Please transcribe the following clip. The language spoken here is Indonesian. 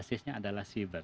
basisnya adalah cyber